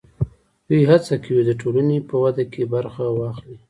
دوی هڅه کوي د ټولنې په وده کې برخه واخلي.